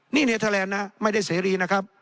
นี่เนเธอร์แลนด์นะไม่ได้เสรี